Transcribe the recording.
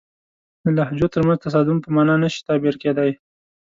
د لهجو ترمنځ تصادم په معنا نه شي تعبیر کېدای.